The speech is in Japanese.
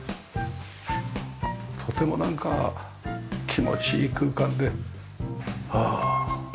とてもなんか気持ちいい空間で。